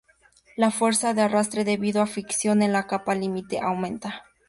La fuerza de arrastre debido a fricción en la capa límite aumenta.